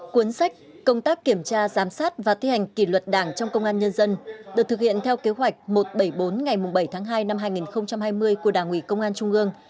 cuốn sách công tác kiểm tra giám sát và thi hành kỷ luật đảng trong công an nhân dân được thực hiện theo kế hoạch một trăm bảy mươi bốn ngày bảy tháng hai năm hai nghìn hai mươi của đảng ủy công an trung ương